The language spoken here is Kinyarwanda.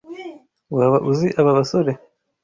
Waba uzi aba basore?